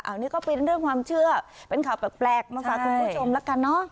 อันนี้ก็เป็นเรื่องความเชื่อเป็นข่าวแปลกมาฝากคุณผู้ชมแล้วกันเนอะ